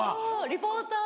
リポーター。